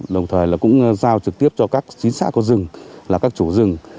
đồng thời là cũng giao trực tiếp cho các chính xác của rừng là các chủ rừng